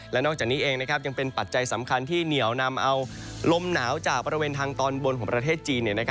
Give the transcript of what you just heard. และนอกจากนี้เองยังเป็นปัจจัยสำคัญที่เหนียวนำเอาลมหนาวจากบริเวณทางตอนบนของประเทศจีน